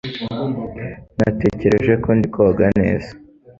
Natekereje ko ndi koga neza.